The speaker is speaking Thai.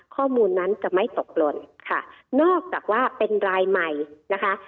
ข้อมูลนั้นจะไม่ตกหล่นค่ะนอกจากว่าเป็นรายใหม่นะคะ